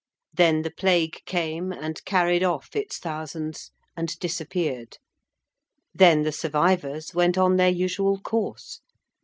Then the Plague came and carried off its thousands and disappeared. Then the survivors went on their usual course.